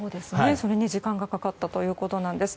それに時間がかかったというわけです。